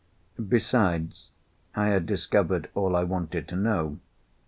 Besides, I had discovered all I wanted to know.